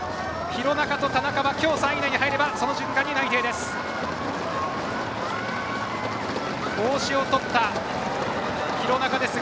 廣中と田中はきょう３位以内に入ればその瞬間に内定です。